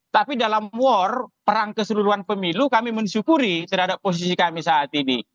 tapi dalam war perang keseluruhan pemilu kami mensyukuri terhadap posisi kami saat ini